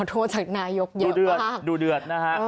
ดูเดือดดูเดือดนะฮะ